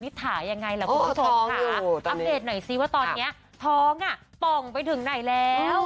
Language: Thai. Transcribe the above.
นี่ถ่ายังไงอัพเดตหน่อยซิว่าตอนนี้ท้องอ่ะป่องไปถึงไหนแล้ว